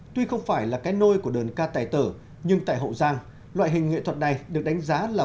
tuy không phải là cái nôi của đơn ca tài tử nhưng tại hậu giang loại hình nghệ thuật này được đánh giá là